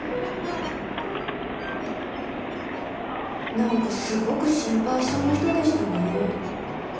なんかすごく心配性な人でしたねー。